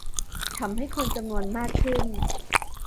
ทำให้คนจำนวนมากขึ้น